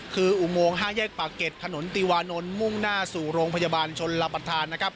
คืออุโมง๕แยกป่าเก็ดถนนติวานนท์มุ่งหน้าสู่โรงพยาบาลชนลปัทธาน